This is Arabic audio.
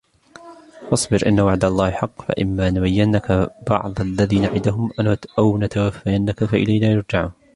فَاصْبِرْ إِنَّ وَعْدَ اللَّهِ حَقٌّ فَإِمَّا نُرِيَنَّكَ بَعْضَ الَّذِي نَعِدُهُمْ أَوْ نَتَوَفَّيَنَّكَ فَإِلَيْنَا يُرْجَعُونَ